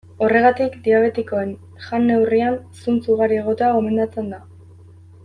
Horregatik, diabetikoen jan-neurrian zuntz ugari egotea gomendatzen da.